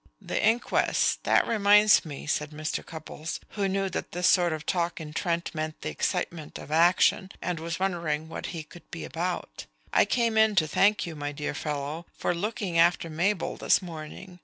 "The inquest that reminds me," said Mr. Cupples, who knew that this sort of talk in Trent meant the excitement of action, and was wondering what he could be about. "I came in to thank you, my dear fellow, for looking after Mabel this morning.